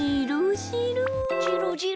じろじろ。